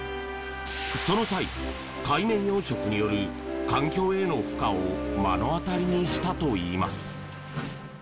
その際海面養殖による環境への負荷を目の当たりにしたといいます。